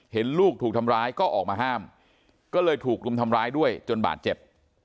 เห็นลูกถูกทำร้ายก็ออกมาห้ามก็เลยถูกรุมทำร้ายด้วยจนบาดเจ็บ